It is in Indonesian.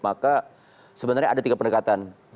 maka sebenarnya ada tiga pendekatan